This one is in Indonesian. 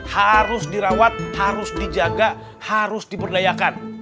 harus dirawat harus dijaga harus diberdayakan